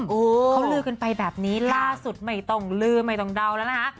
โอ้โหเขาลือกันไปแบบนี้ล่าสุดไม่ต้องลืมไม่ต้องเดาแล้วนะคะ